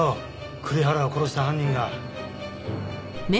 栗原を殺した犯人が。